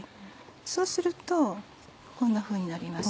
そうするとこんなふうになります。